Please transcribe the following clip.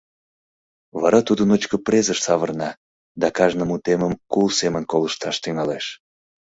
Вара тудо ночко презыш савырна да кажне мутетым кул семын колышташ тӱҥалеш.